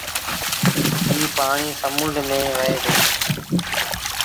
ايٚ پآڻي سمنڊ ميݩ وهي دو۔